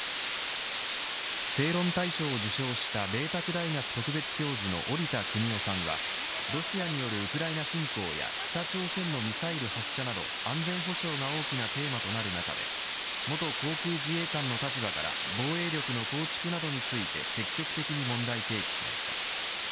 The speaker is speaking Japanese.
正論大賞を受賞した麗澤大学特別教授の織田邦男さんはロシアによるウクライナ侵攻や北朝鮮のミサイル発射など安全保障が大きなテーマとなる中で元航空自衛官の立場から防衛力の構築などについて積極的に問題提起しました。